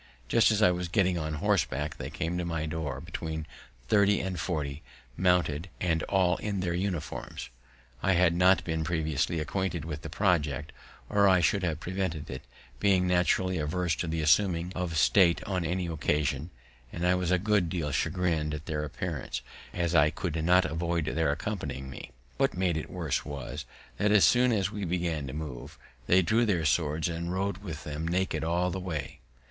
Just as I was getting on horseback they came to my door, between thirty and forty, mounted, and all in their uniforms. I had not been previously acquainted with the project, or I should have prevented it, being naturally averse to the assuming of state on any occasion; and I was a good deal chagrin'd at their appearance, as I could not avoid their accompanying me. What made it worse was, that, as soon as we began to move, they drew their swords and rode with them naked all the way.